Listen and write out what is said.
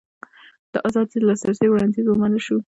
د ازاد لاسرسي وړاندیز ومنل شو.